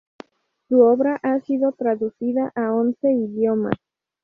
Su obra ha sido traducida a once idiomas.